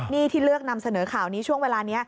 นี่ที่เลือกนำเสนอข่าวนี้ช่วงเวลานี้